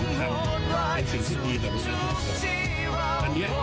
เป็นสิ่งที่ช่วยดีในรู้สึกทุกคน